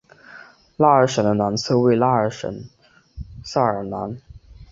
拉尔什的南侧为拉尔什圣塞尔南。